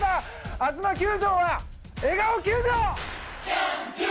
あづま球場は笑顔球場！